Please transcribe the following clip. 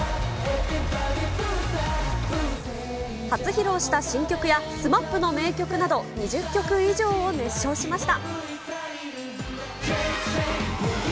初披露した新曲やＳＭＡＰの名曲など、２０曲以上を熱唱しました。